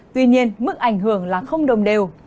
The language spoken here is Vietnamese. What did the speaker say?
tuy nhiên mức ảnh hưởng là không đồng đều